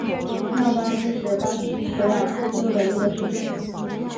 曼巴伊是巴西戈亚斯州的一个市镇。